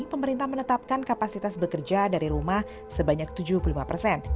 pemerintah menetapkan kapasitas bekerja dari rumah sebanyak tujuh puluh lima persen